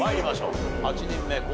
８人目昴